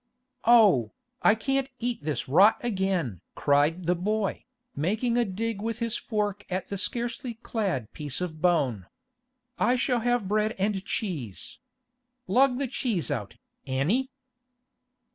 'Oh, I can't eat this rot again!' cried the boy, making a dig with his fork at the scarcely clad piece of bone. 'I shall have bread and cheese. Lug the cheese out, Annie!